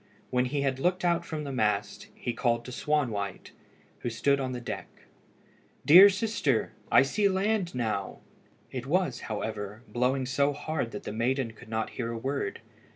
When he had looked out from the mast, he called to Swanwhite, who stood on the deck "Dear sister, I see land now." It was, however, blowing so hard that the maiden could not hear a word.